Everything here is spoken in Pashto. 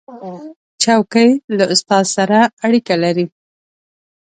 چوکۍ له استاد سره اړیکه لري.